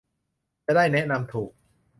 จะได้แนะนำถูก